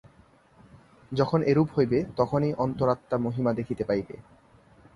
যখন এরূপ হইবে, তখনই অন্তরাত্মা মহিমা দেখিতে পাইবে।